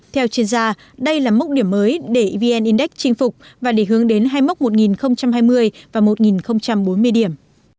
theo chuyên gia đây là mốc điểm mới để vn index chinh phục và để hướng đến hai mốc một hai mươi và một bốn mươi điểm